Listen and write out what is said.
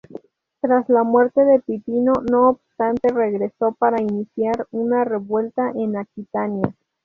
Tras la muerte de Pipino, no obstante, regresó para iniciar una revuelta en Aquitania.